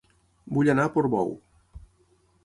Vull anar a Portbou